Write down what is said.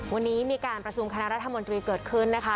วันนี้มีการประชุมคณะรัฐมนตรีเกิดขึ้นนะคะ